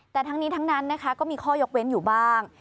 แต่ทั้งนี้ทั้งนั้นนะคะก็มีข้อยกเว้นอยู่บ้าง